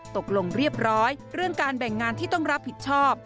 ตกลงเรียบร้อยเรื่องการแบ่งงานที่ต้องรับผิดชอบ